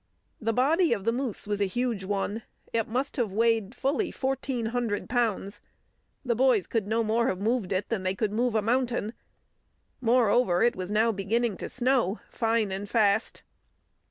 The body of the moose was a huge one; it must have weighed fully fourteen hundred pounds. The boys could no more have moved it than they could move a mountain. Moreover, it was now beginning to snow fine and fast.